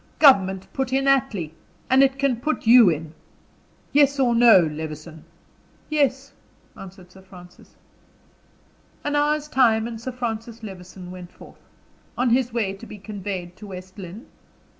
Government put in Attley, and it can put you in. Yes, or no, Levison?" "Yes," answered Sir Francis. An hour's time, and Sir Francis Levison went forth. On his way to be conveyed to West Lynne?